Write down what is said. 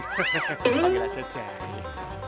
paling kering panggil aja cai